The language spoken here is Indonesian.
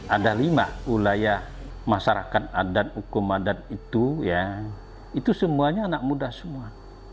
ada lima wilayah masyarakat adat hukum adat itu ya itu semuanya anak muda semua